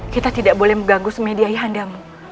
kita tidak boleh mengganggu semedia yang andamu